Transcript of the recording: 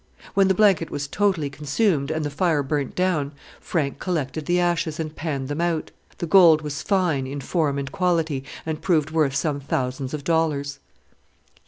When the blanket was totally consumed and the fire burnt down, Frank collected the ashes and panned them out. The gold was fine in form and quality, and proved worth some thousands of dollars.